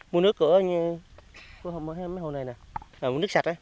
mua nước sạch